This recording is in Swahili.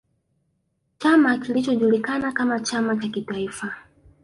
Chama kilichojulikana kama chama cha kitaifa